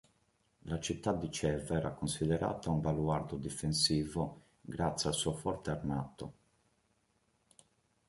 La città di Ceva era considerata un baluardo difensivo grazie al suo forte armato.